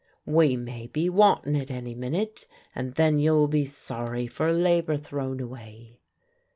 "We may be wantin' it any minute, and then you'll be sorry for labour thrown away."